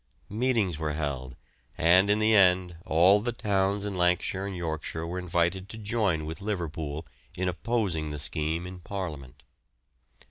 Meetings were held, and in the end all the towns in Lancashire and Yorkshire were invited to join with Liverpool in opposing the scheme in Parliament.